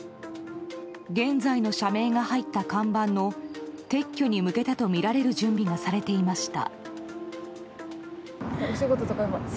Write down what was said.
現在の社名が入った看板の撤去に向けたとみられる準備がされていました。